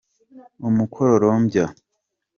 umukororombya.